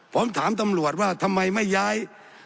ผมถามตำรวจว่าทำไมไม่ย้าย